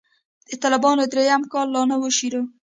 د طالبانو درېيم کال لا نه و شروع.